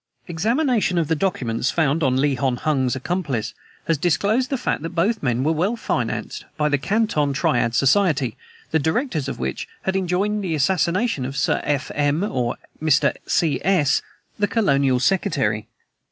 "Examination of the documents found on Li Hon Hung's accomplice has disclosed the fact that both men were well financed by the Canton Triad Society, the directors of which had enjoined the assassination of Sir F. M. or Mr. C. S., the Colonial Secretary.